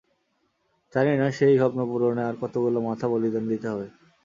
জানি না, সেই স্বপ্নপূরণে আর কতোগুলো মাথা বলিদান দিতে হবে।